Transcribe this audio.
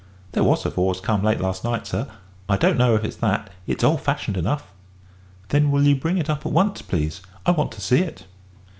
"There was a vawse come late last night, sir; I don't know if it's that, it's old fashioned enough." "Then will you bring it up at once, please? I want to see it."